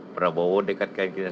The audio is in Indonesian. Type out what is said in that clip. prabowo dekatkan kita